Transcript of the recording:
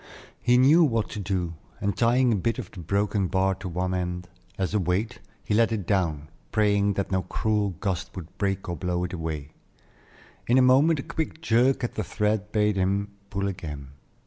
He knew what to do, and tying a bit of the broken bar to one end, as a weight, he let it down, praying that no cruel gust would break or blow it away. In a moment a quick jerk at the thread bade him pull again.